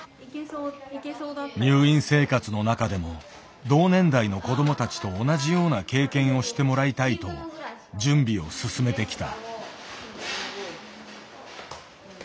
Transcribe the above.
入院生活の中でも同年代の子どもたちと同じような経験をしてもらいたいと準備を進めてきた。